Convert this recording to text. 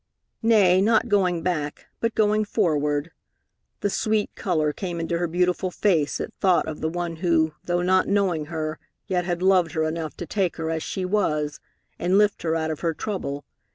Nay, not going back, but going forward. The sweet color came into her beautiful face at thought of the one who, though not knowing her, yet had loved her enough to take her as she was, and lift her out of her trouble.